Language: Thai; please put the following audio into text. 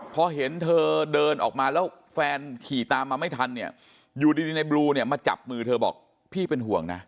พอเห็นเธอเดินออกมาแล้วแฟนขี่ตามมาไม่ทันเนี่ยอยู่ดีในบลูเนี่ยมาจับมือเธอบอกพี่เป็นห่วงนะ